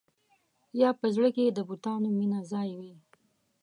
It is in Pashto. یا په زړه کې د بتانو مینه ځای وي.